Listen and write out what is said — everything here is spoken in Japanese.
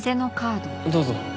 どうぞ。